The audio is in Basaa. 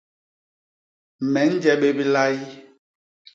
Me nje bé bilay.